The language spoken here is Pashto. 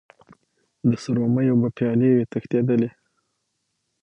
د سرو میو به پیالې وې تشېدلې